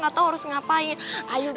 atau politik kita menang juga